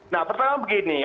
nah pertama begini